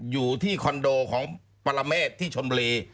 อยู่ที่คอนโดของปรเมฆที่ชนบุรี